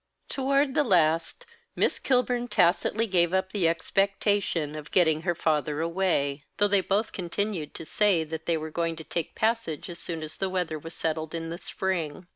Toward the last Miss Kilburn tacitly gave up the expectation of getting her father away, though they both continued to say that they were going to take passage as soon as the weather was settled in the spring.